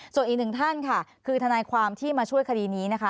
ส่วนอีกหนึ่งท่านค่ะคือทนายความที่มาช่วยคดีนี้นะคะ